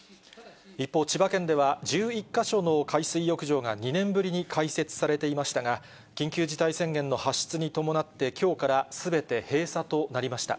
一方、千葉県では１１か所の海水浴場が２年ぶりに開設されていましたが、緊急事態宣言の発出に伴って、きょうからすべて閉鎖となりました。